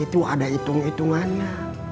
itu ada hitung hitungannya